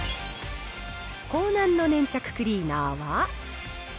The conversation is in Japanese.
コーナンの粘着クリーナーは。